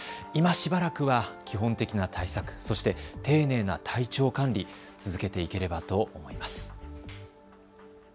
今しばらくは基本的な対策、そして丁寧な体調管理を続けていければと思います。